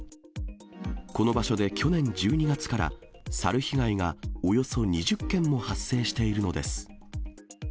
この場所で去年１２月から、猿被害がおよそ２０件も発生しているのです。